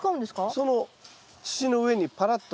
その土の上にパラッと。